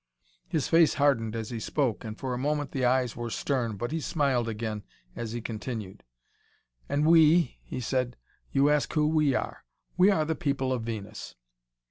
His face hardened as he spoke and for a moment the eyes were stern, but he smiled again as he continued. "And we," he said, "you ask who we are. We are the people of Venus.